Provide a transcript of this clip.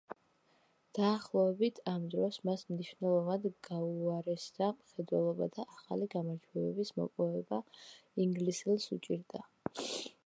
დაახლოებით ამ დროს მას მნიშვნელოვნად გაუუარესდა მხედველობა და ახალი გამარჯვებების მოპოვება ინგლისელს უჭირდა.